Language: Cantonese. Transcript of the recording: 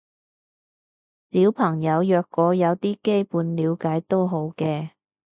小朋友若果有啲基本了解都好嘅